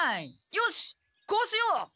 よしこうしよう。